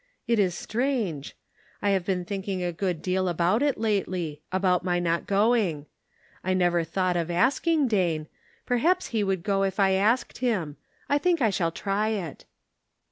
It is strange. I have been thinking a good deal about it lately — about my not going. I never thought of asking Dane ; perhaps he would go if I asked him. I think I shall try it."